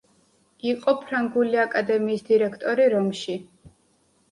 იყო ფრანგული აკადემიის დირექტორი რომში.